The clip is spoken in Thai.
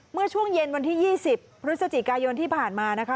เมื่อช่วงเย็นวันที่๒๐พฤศจิกายนที่ผ่านมานะคะ